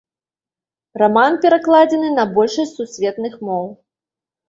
Раман перакладзены на большасць сусветных моў.